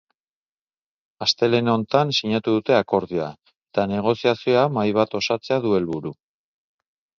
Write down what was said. Astelehen honetan sinatu dute akordioa, eta negoziazio mahai bat osatzea du helburu.